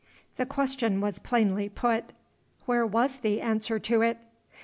The question was plainly put. Where was the answer to it?